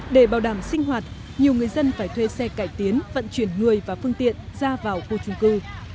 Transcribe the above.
để bảo đảm sinh hoạt nhiều người dân phải thuê xe cải tiến vận chuyển người và phương tiện ra vào khu trung cư